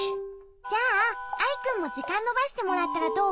じゃあアイくんもじかんのばしてもらったらどう？